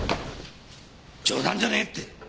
冗談じゃねえって。